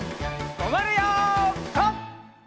とまるよピタ！